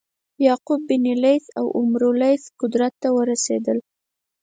یعقوب بن لیث او عمرو لیث قدرت ته ورسېدل.